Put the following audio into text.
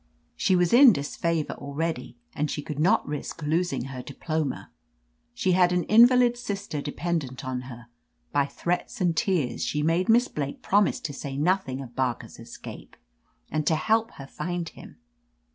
She was in dis favor already, and she could not risk losing her diploma. She had an invalid sister de pendent on her. By threats and tears she made Miss Blake promise to say nothing of Barker's escape and to help her find him.